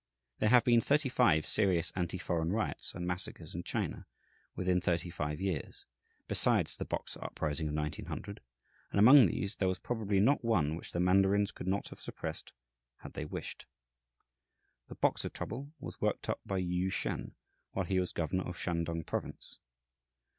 There have been thirty five serious anti foreign riots and massacres in China within thirty five years, besides the Boxer uprising of 1900; and among these there was probably not one which the mandarins could not have suppressed had they wished. The Boxer trouble was worked up by Yü Hsien while he was governor of Shantung Province.